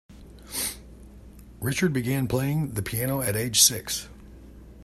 Richard began playing the piano at age six.